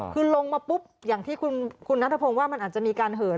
คือลงมาปุ๊บอย่างที่คุณนัทพงศ์ว่ามันอาจจะมีการเหิน